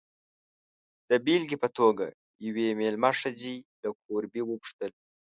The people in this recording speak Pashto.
د بېلګې په توګه، یوې مېلمه ښځې له کوربې وپوښتل.